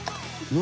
何？